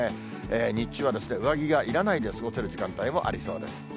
日中は上着がいらないで過ごせる時間帯もありそうです。